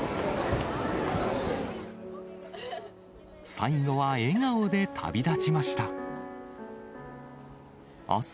最後は笑顔で旅立ちました。